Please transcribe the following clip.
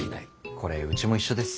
これうちも一緒です。